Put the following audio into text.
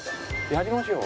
やりましょう！